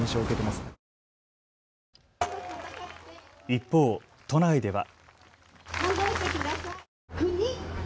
一方、都内では。